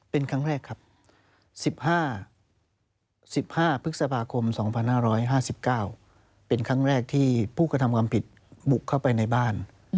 เป็นครั้งแรกครับ๑๕๑๕พฤษภาคม๒๕๕๙เป็นครั้งแรกที่ผู้กระทำความผิดบุกเข้าไปในบ้าน